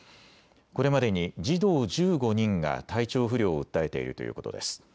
これまでに児童１５人が体調不良を訴えているということです。